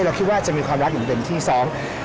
เราคิดว่าจะมีความรักอยู่ในเดิมที่สอง